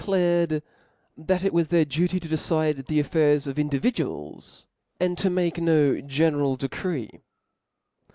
clared thac it was th^ir doty to decide the affairs of individuals, s^nd to m^ke no general decree.